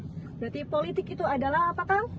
berarti politik itu adalah apa kang